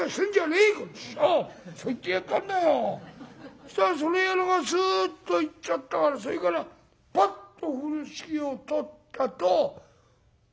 そしたらその野郎がスーッと行っちゃったからそれからパッと風呂敷を取ったとこういうわけだよ」。